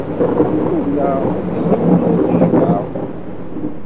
Ula d yiwen ur t-jemmɛeɣ.